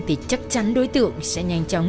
thì chắc chắn đối tượng sẽ nhanh chóng